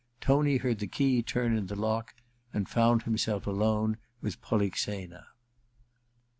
Tony heard the key turn in the lock, and found himself alone with Polixena.